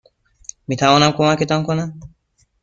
میتوانم کمکتان کنم؟